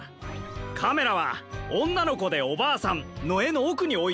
カメラは「おんなのこでおばあさん」のえのおくにおいてきたぜ。